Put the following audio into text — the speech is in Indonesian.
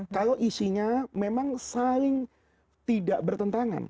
kalau isinya memang saling tidak bertentangan